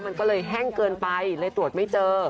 มันก็เลยแห้งเกินไปเลยตรวจไม่เจอ